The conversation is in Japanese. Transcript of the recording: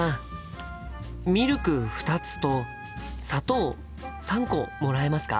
ミルク２つと砂糖３個もらえますか？